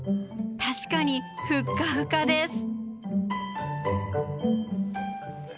確かにふっかふかです。